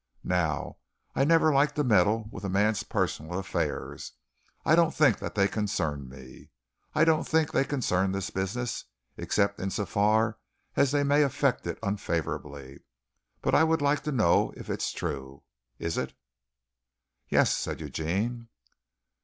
Now, I never like to meddle with a man's personal affairs. I don't think that they concern me. I don't think they concern this business, except in so far as they may affect it unfavorably, but I would like to know if it is true. Is it?" "Yes," said Eugene.